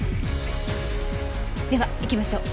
では行きましょう。